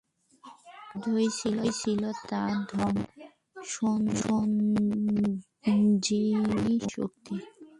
যুদ্ধই ছিল তার ধর্ম, প্রাণ সঞ্জীবনী শক্তি।